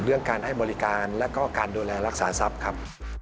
เรื่องการให้บริการแล้วก็การดูแลรักษาทรัพย์ครับ